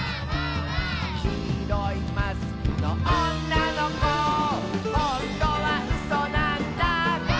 「きいろいマスクのおんなのこ」「ほんとはうそなんだ」